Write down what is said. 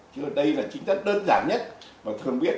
chứ đây là tính chất đơn giản nhất mà thường biết